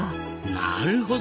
なるほど！